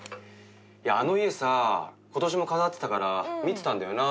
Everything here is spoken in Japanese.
あの家さことしも飾ってたから見てたんだよな。